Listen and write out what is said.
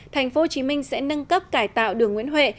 thành phố hồ chí minh sẽ nâng cấp cải tạo đường nguyễn huệ